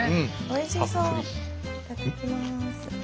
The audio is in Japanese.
いただきます。